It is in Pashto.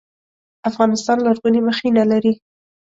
افغانستان لرغوني مخینه لري